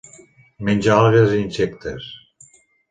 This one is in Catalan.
Menja algues i insectes.